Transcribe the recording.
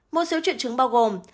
một số triệu chứng bao gồm